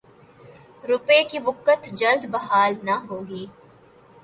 روپے کی وقعت جلد بحال نہ ہوگی۔